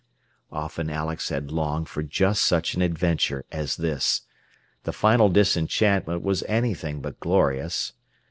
Often Alex had longed for just such an adventure as this. The final disenchantment was anything but glorious.